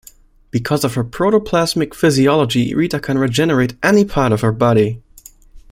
Because of her protoplasmic physiology, Rita can regenerate any part of her body.